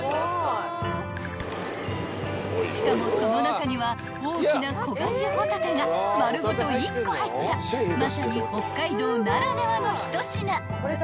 ［しかもその中には大きな焦がしほたてが丸ごと１個入ったまさに北海道ならではの一品］